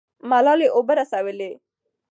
ملالۍ اوبه رسولې.